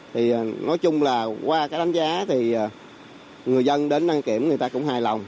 thì nói chung là qua cái đánh giá thì người dân đến đăng kiểm người ta cũng hài lòng